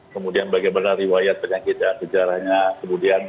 kemudian bagaimana riwayat penyakit ya sejarahnya kemudian